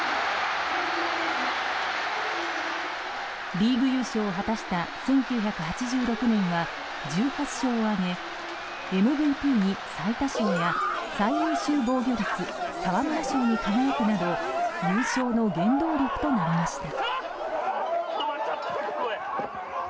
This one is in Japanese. リーグ優勝を果たした１９８６年は１８勝を挙げＭＶＰに最多勝や最優秀防御率沢村賞に輝くなど優勝の原動力となりました。